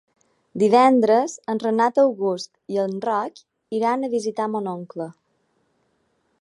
Divendres en Renat August i en Roc iran a visitar mon oncle.